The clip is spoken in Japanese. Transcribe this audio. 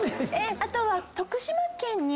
あとは。